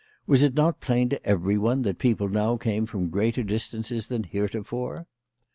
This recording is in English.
Was it not plain to every one that people now came from greater distances than heretofore?